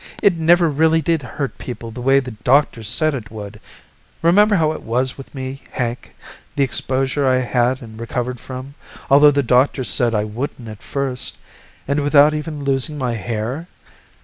"It never really did hurt people the way the doctors said it would. Remember how it was with me, Hank, the exposure I had and recovered from, although the doctors said I wouldn't at first and without even losing my hair?